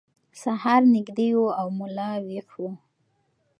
سهار نږدې و او ملا ویښ و.